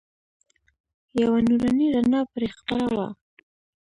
یوه نوراني رڼا پرې خپره وه.